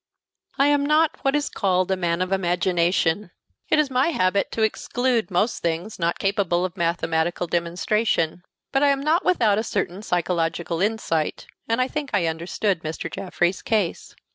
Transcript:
I am not what is called a man of imagination; it is my habit to exclude most things not capable of mathematical demonstration: but I am not without a certain psychological insight, and I think I understood Mr. Jaffrey's case.